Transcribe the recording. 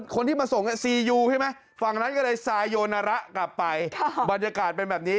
คนที่มาส่งฟังนั้นก็เลยสายนระกลับไปบรรยากาศเป็นแบบนี้